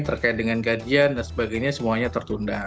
terkait dengan gajian dan sebagainya semuanya tertunda